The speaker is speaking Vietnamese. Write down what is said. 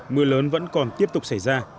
mưa lớn vẫn còn tiếp tục xảy ra